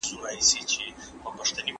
ماشومان بايد په يخ کي تاوده وساتل شي